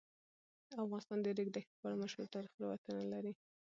افغانستان د د ریګ دښتې په اړه مشهور تاریخی روایتونه لري.